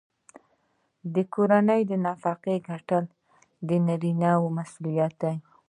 د کورنۍ نفقه ګټل د نارینه مسوولیت دی.